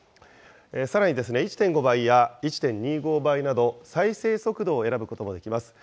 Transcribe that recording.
さらに１．５倍や１．２５倍など、再生速度を選ぶこともできます。